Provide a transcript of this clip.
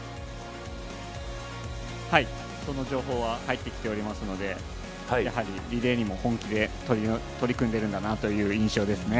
その情報は入ってきておりますので、リレーにも取り組んでいるんだなという印象ですね。